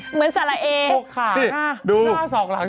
เหมือนสะเราะเอมีหกขา๕หน้า๒หลัง๔